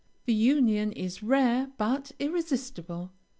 The union is rare but irresistible.